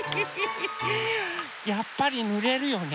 やっぱりぬれるよね。